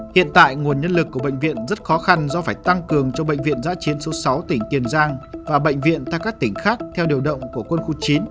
hiện tại nguồn nhân lực của bệnh viện rất khó khăn do phải tăng cường cho bệnh viện giã chiến số sáu tỉnh tiền giang và bệnh viện tại các tỉnh khác theo điều động của quân khu chín